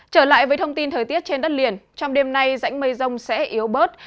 trở lại với thông tin thời tiết trên đất liền trong đêm nay rãnh mây rông sẽ yếu bớt